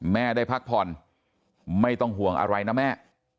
แม่ได้พักผ่อนไม่ต้องห่วงอะไรนะแม่